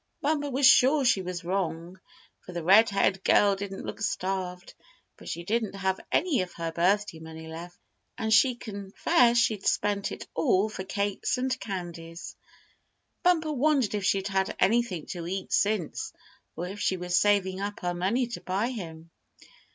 Bumper was sure she was wrong, for the red haired girl didn't look starved; but she didn't have any of her birthday money left, and she confessed she'd spent it all for cakes and candies. Bumper wondered if she'd had anything to eat since, or if she was saving up her money to buy him.